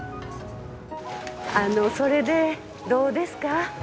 あのそれでどうですか？